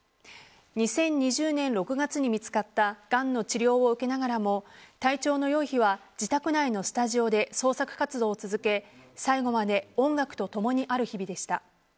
２０２０年６月に見つかったがんの治療を受けながらも体調の良い日は自宅内のスタジオで創作活動を続け最期まで音楽とともにある日々でした。